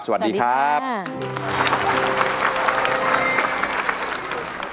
สวัสดีครับสวัสดีครับ